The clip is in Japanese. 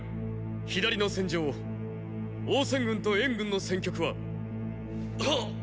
左の戦場王翦軍と燕軍の戦局は？は。